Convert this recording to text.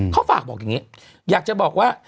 เขาฝากบอกอย่างนี้อยากจะบอกว่า